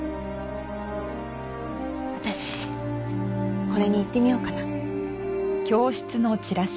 私これに行ってみようかな。